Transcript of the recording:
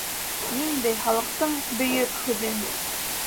— Ниндәй халыҡтың Бөйөк һүҙен?